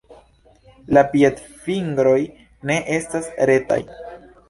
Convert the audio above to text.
La piedfingroj ne estas retaj.